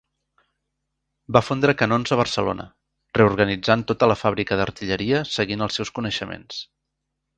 Va fondre canons a Barcelona, reorganitzant tota la Fàbrica d’Artilleria seguint els seus coneixements.